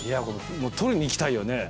取りにいきたいよね